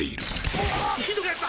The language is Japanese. うわひどくなった！